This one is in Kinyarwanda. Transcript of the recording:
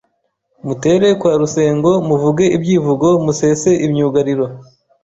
mutere kwa Rusengo muvuge ibyivugo musese imyugariro,